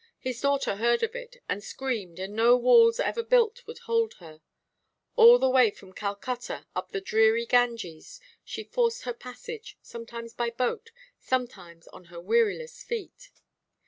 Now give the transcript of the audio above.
His daughter heard of it, and screamed, and no walls ever built would hold her. All the way from Calcutta, up the dreary Ganges, she forced her passage, sometimes by boat, sometimes on her weariless feet.